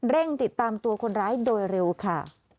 ติดตามตัวคนร้ายโดยเร็วค่ะ